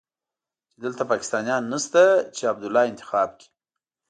چې دلته پاکستانيان نشته چې عبدالله انتخاب کړي.